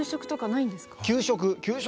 給食？